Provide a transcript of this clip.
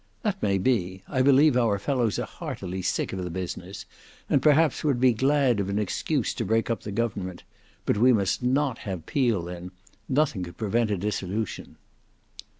"That may be; I believe our fellows are heartily sick of the business, and perhaps would be glad of an excuse to break up the government: but we must not have Peel in; nothing could prevent a dissolution."